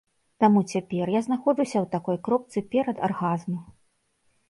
Таму цяпер я знаходжуся ў такой кропцы перадаргазму.